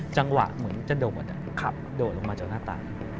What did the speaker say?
จังหวะเหมือนจะโดดลงมาจากหน้าตา